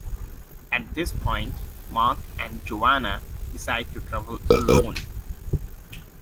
At this point Mark and Joanna decide to travel alone.